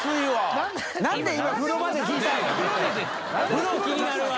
風呂気になるわ！